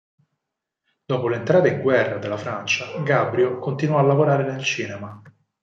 Dopo l'entrata in guerra della Francia, Gabrio continuò a lavorare nel cinema.